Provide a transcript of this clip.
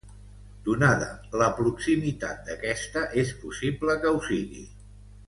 Donada la proximitat d'aquesta, és possible que ho sigui.